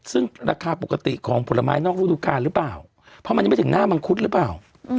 ซึ่งราคาปกติของผลไม้นอกรูดูการหรือเปล่าเพราะมันยังไม่ถึงหน้ามังคุดหรือเปล่า